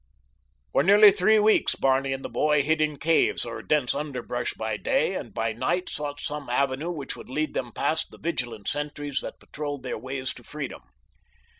For nearly three weeks Barney and the boy hid in caves or dense underbrush by day, and by night sought some avenue which would lead them past the vigilant sentries that patrolled the ways to freedom.